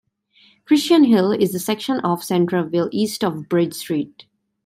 Christian Hill is the section of Centralville east of Bridge Street.